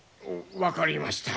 分かりました。